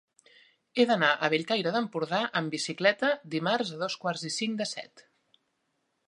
He d'anar a Bellcaire d'Empordà amb bicicleta dimarts a dos quarts i cinc de set.